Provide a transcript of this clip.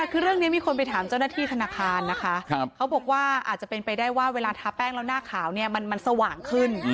คือเรื่องนี้มีคนไปถามเจ้าหน้าที่ธนาคารนะคะเขาบอกว่าอาจจะเป็นไปได้ว่าเวลาทาแป้งแล้วหน้าขาวเนี่ยมันสว่างขึ้น